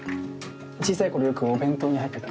小さい頃よくお弁当に入ってた。